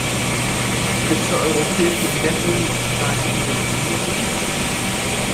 Bis zur europäischen Entdeckung war die Insel unbewohnt.